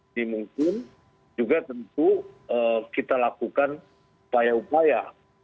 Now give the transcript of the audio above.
ini mungkin juga tentu kita lakukan upaya upaya